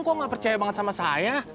kok gak percaya banget sama saya